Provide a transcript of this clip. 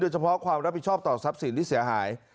เฉพาะความรับผิดชอบต่อทรัพย์สินที่เสียหาย